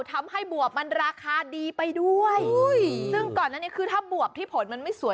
ทำให้บวบมันราคาดีไปด้วยซึ่งก่อนนั้นเนี่ยคือถ้าบวบที่ผลมันไม่สวย